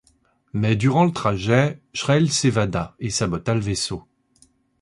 Mais durant le trajet, Ch'rell s'évada, et sabota le vaisseau.